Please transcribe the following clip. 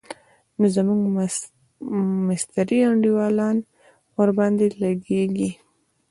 نو زموږ مستري انډيوالان ورباندې لګېږي.